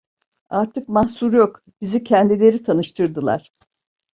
Artık mahzur yok, bizi kendileri tanıştırdılar.